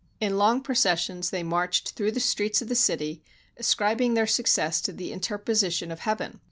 In long processions they marched through the streets of the city, ascribing their success to the interposition of Heaven.